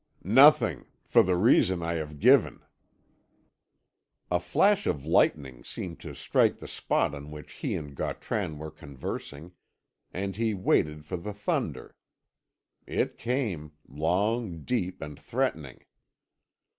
"Nothing for the reason I have given." A flash of lightning seemed to strike the spot on which he and Gautran were conversing, and he waited for the thunder. It came long, deep, and threatening.